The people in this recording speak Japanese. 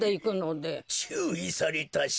「ちゅういされたし」